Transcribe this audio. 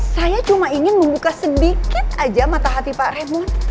saya cuma ingin membuka sedikit aja mata hati pak remo